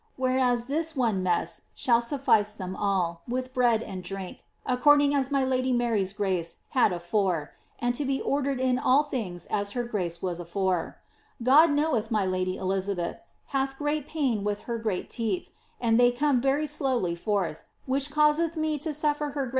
— whereas this one mess shall suffice them all, with bread and drink, a "^ nlir.;; as my Lady Mary's grace had afore, and to be ordered in all things as ;.^r g:n\t:e was afore. God knowedi my lady (Elizabeth) hath great pain with i' r sreai teeth, and they come very slowly fbrth, which causeth me to suffer her rra.